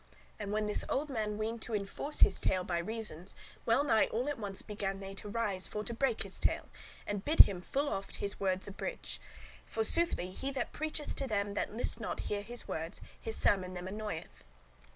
And when this old man weened [thought, intended] to enforce his tale by reasons, well nigh all at once began they to rise for to break his tale, and bid him full oft his words abridge. For soothly he that preacheth to them that list not hear his words, his sermon them annoyeth.